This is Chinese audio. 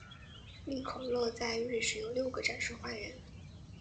利口乐在瑞士有六个展示花园。